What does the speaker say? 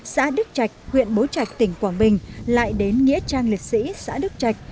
xã đức trạch huyện bố trạch tỉnh quảng bình lại đến nghĩa trang liệt sĩ xã đức trạch